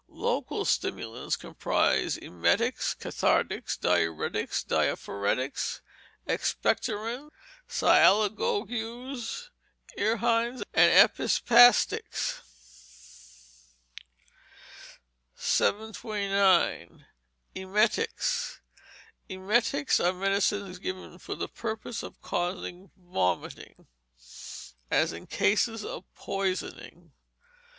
Local stimulants comprise emetics, cathartics, diuretics, diaphoretics, expectorants, sialogogues, errhines, and epispastics. 729. Emetics. Emetics are medicines given for the purpose of causing vomiting, as in cases of poisoning.